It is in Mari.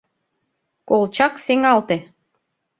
Колчак сеҥалте.